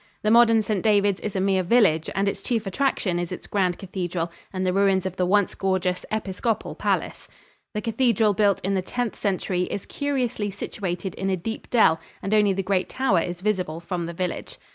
The modern St. Davids is a mere village, and its chief attraction is its grand cathedral and the ruins of the once gorgeous episcopal palace. The cathedral, built in the Tenth Century, is curiously situated in a deep dell, and only the great tower is visible from the village.